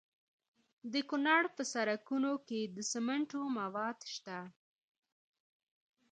د کونړ په سرکاڼو کې د سمنټو مواد شته.